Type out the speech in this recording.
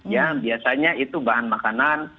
ya biasanya itu bahan makanan